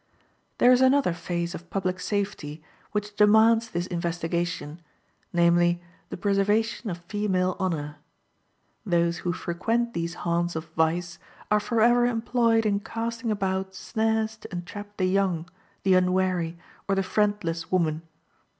There is another phase of public safety which demands this investigation, namely, the preservation of female honor. Those who frequent these haunts of vice are forever employed in casting about snares to entrap the young, the unwary, or the friendless woman.